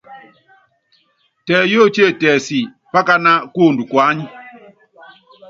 Tɛ yóótíe, tɛ sí, pákaná kuondo kuányíe ?